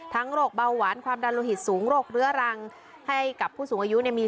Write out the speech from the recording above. โรคเบาหวานความดันโลหิตสูงโรคเรื้อรังให้กับผู้สูงอายุเนี่ยมี